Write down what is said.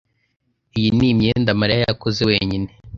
Iyi ni imyenda Mariya yakoze wenyine